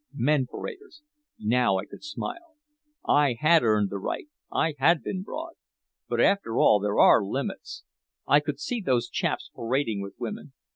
Men paraders! Now I could smile. I had earned the right, I had been broad. But after all, there are limits. I could see those chaps parading with women.